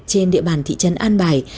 trên địa bàn thị trấn an bài